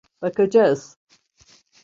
Bakacağız.